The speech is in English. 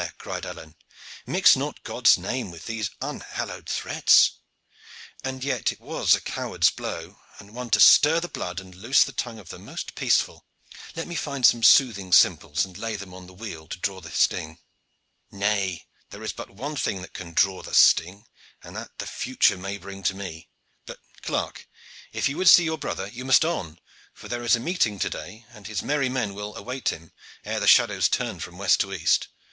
cried Alleyne. "Mix not God's name with these unhallowed threats! And yet it was a coward's blow, and one to stir the blood and loose the tongue of the most peaceful. Let me find some soothing simples and lay them on the weal to draw the sting." "Nay, there is but one thing that can draw the sting, and that the future may bring to me. But, clerk, if you would see your brother you must on, for there is a meeting to day, and his merry men will await him ere the shadows turn from west to east.